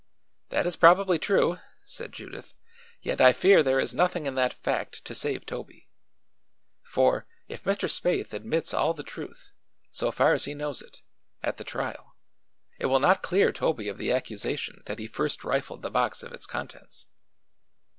"That is probably true," said Judith; "yet I fear there is nothing in that fact to save Toby. For, if Mr. Spaythe admits all the truth so far as he knows it at the trial, it will not clear Toby of the accusation that he first rifled the box of its contents."